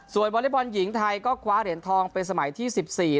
ส่วนบอลลีบอลหญิงไทยก็คว้าเหรียญทองไปสมัยที่๑๔ได้ตามคาด